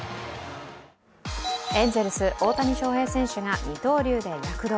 エンゼルス・大谷翔平選手が二刀流で躍動。